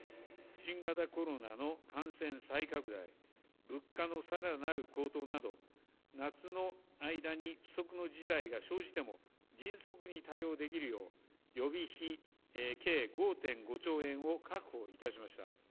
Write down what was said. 新型コロナの感染再拡大、物価のさらなる高騰など、夏の間に不測の事態が生じても、迅速に対応できるよう、予備費計５．５兆円を確保いたしました。